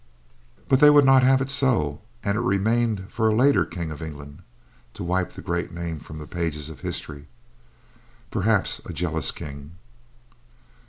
But they would not have it so, and it remained for a later King of England to wipe the great name from the pages of history—perhaps a jealous king.